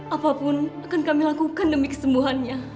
apapun akan kami lakukan demi kesembuhannya